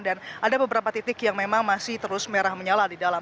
dan ada beberapa titik yang memang masih terus merah menyala di dalam